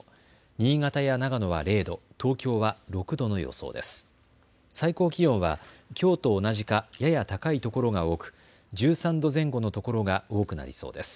新潟や長野は０度、東京は６度の予想です。